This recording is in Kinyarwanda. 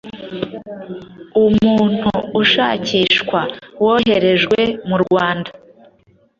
Umuntu ushakishwa woherejwe mu Rwanda